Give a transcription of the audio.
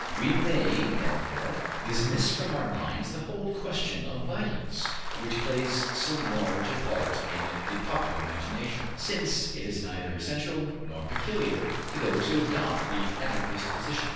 We may, therefore, dismiss from our minds the whole question of violence, which plays so large a part in the popular imagination, since it is neither essential nor peculiar to those who adopt the Anarchist position.